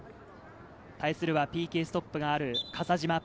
対するはＰＫストップがある笠島。